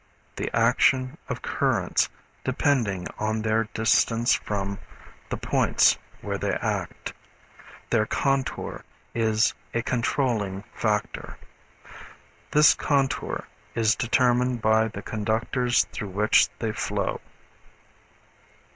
The action of currents depending on their distance from the points where they act, their contour is a controlling factor. This contour is determined by the conductors through which they flow.